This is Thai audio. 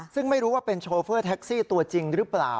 ซึ่งไม่รู้ว่าเป็นโชเฟอร์แท็กซี่ตัวจริงหรือเปล่า